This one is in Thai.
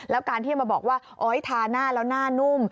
แล้วการที่จะมาบอกว่าโอ๊ยทาหน้าแล้วหน้านุ่ม